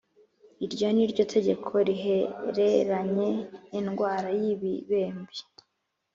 Iryo ni ryo tegeko rihereranye n indwara y ibibembe